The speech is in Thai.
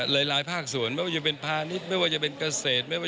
หลายภาครัวส่วนมไม่ว่าจะเป็นภาณิชย์มไม่ว่าจะบทเมืองเกษตร